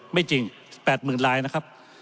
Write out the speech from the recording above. ไม่จริง๘๐๐๐ลายนะครับ